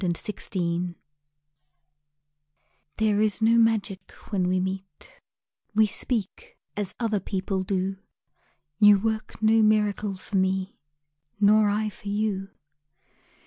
AFTER LOVE THERE is no magic when we meet, We speak as other people do, You work no miracle for me Nor I for you.